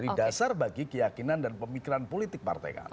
menjadi dasar bagi keyakinan dan pemikiran politik partai kami